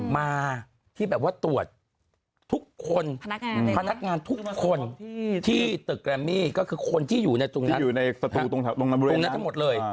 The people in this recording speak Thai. มาที่แบบว่าตรวจพนักงานทุกคนที่ตึกแรมมี่ก็คือคนที่อยู่ในตรงนั้นทุกคนทั้งหมดเลย